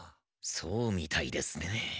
そうみたいですね。